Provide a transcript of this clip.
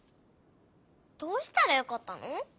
どうしたらよかったの？